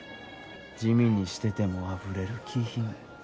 地味にしててもあふれる気品。